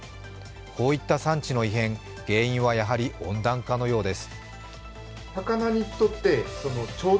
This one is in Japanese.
こういった産地の異変、原因はやはり温暖化のようです。